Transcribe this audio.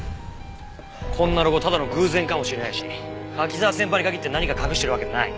こんなロゴただの偶然かもしれないし柿沢先輩に限って何か隠してるわけない。